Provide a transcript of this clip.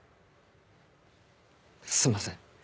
すんません。